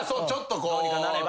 どうにかなれば。